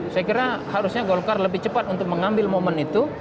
saya kira harusnya golkar lebih cepat untuk mengambil momen itu